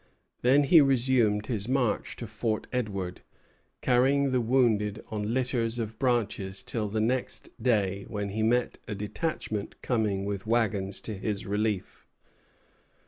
Then he resumed his march to Fort Edward, carrying the wounded on litters of branches till the next day, when he met a detachment coming with wagons to his relief.